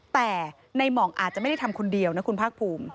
แต่ในหม่องอาจจะไม่ได้ทำคนเดียวนะคุณภาคภูมิ